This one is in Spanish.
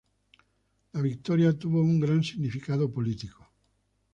La victoria tuvo un gran significado político.